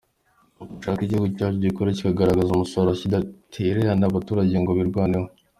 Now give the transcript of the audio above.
Turashaka ko igihugu cyacu gikora kikagaragaza umusaruro, kidatererana abaturage ngo birwaneho.